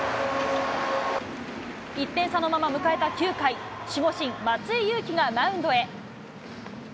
１点差のまま迎えた９回、守護神、松井裕樹がマウンドへ。